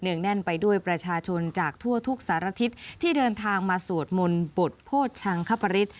งแน่นไปด้วยประชาชนจากทั่วทุกสารทิศที่เดินทางมาสวดมนต์บทโภชังคปริศ